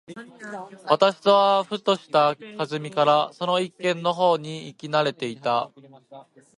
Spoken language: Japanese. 私はふとした機会（はずみ）からその一軒の方に行き慣（な）れていた。